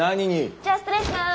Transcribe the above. じゃあ失礼します。